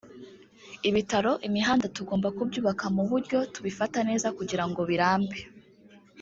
ibitaro imihanda tugomba kubyubaka mu buryo tubifata neza kugira ngo birambe